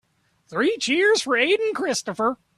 Three cheers for Aden Christopher.